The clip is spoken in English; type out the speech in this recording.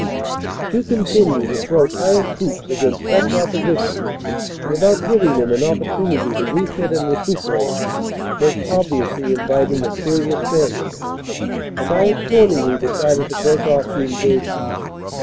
"To continue to throw tired troops against such opposition, without giving them an opportunity to refit and recuperate, was obviously inviting a serious failure, and I accordingly decided to break off the engagement.